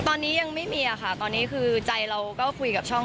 ตอนนี้ยังไม่มีค่ะตอนนี้คือใจเราก็คุยกับช่อง